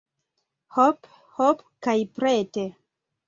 Hop, hop kaj prete!